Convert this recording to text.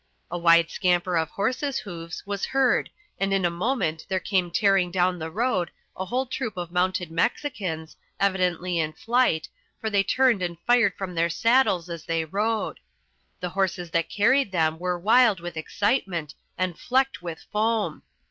A wild scamper of horses' hoofs was heard and in a moment there came tearing down the road a whole troop of mounted Mexicans, evidently in flight, for they turned and fired from their saddles as they rode. The horses that carried them were wild with excitement and flecked with foam.